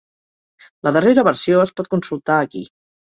La darrera versió es pot consultar aquí.